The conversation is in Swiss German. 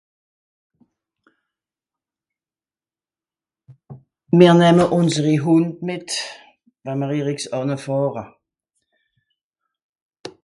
Mìr nemme ùnseri Hùnd mìt, we'mr eriks ànnefàhra